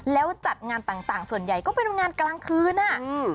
แล้วจัดงานต่างต่างส่วนใหญ่ก็เป็นงานกลางคืนอ่ะอืม